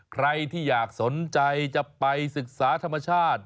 ใครที่อยากสนใจจะไปศึกษาธรรมชาติ